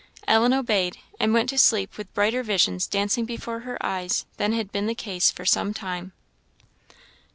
Ellen obeyed; and went to sleep with brighter visions dancing before her eyes than had been the case for some time.